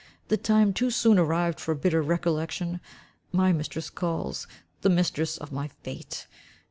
The time too soon arrived for bitter recollection. My mistress calls, the mistress of my fate.